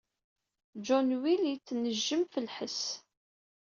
John wel yettnejjem f lḥess.